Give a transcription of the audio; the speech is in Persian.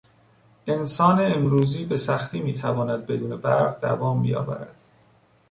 انسان امروزی به سختی میتواند بدون برق دوام بیاورد.